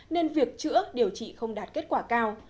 nên việc chữa điều trị không đạt kết quả cao